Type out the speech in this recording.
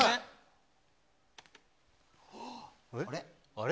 あれ？